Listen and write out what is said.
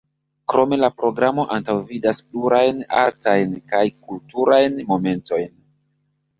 Krome la programo antaŭvidas plurajn artajn kaj kulturajn momentojn.